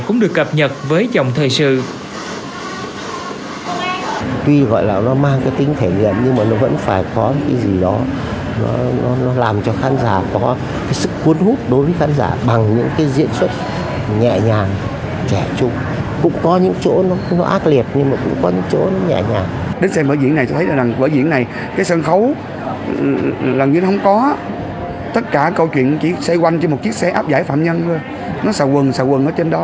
cũng được cập nhật với dòng thời sự